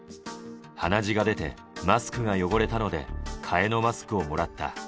鼻血が出て、マスクが汚れたので、替えのマスクをもらった。